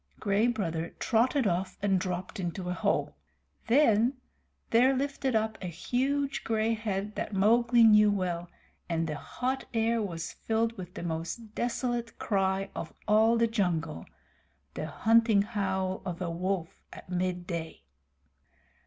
Gray Brother trotted off and dropped into a hole. Then there lifted up a huge gray head that Mowgli knew well, and the hot air was filled with the most desolate cry of all the jungle the hunting howl of a wolf at midday.